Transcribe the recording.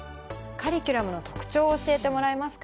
カリキュラムの特徴を教えてもらえますか？